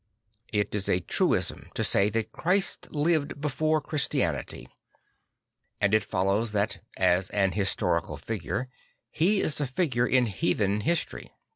It is a truism to say that Christ lived before Christianity; and it follows that as an historical figure He is a figure in heathen history.